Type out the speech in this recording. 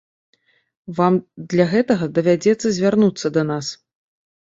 Вам для гэтага давядзецца звярнуцца да нас.